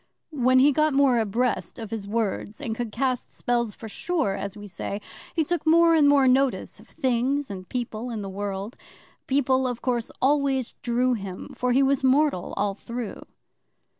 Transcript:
When he got more abreast of his words, and could cast spells for sure, as we say, he took more and more notice of things and people in the world. People, of course, always drew him, for he was mortal all through.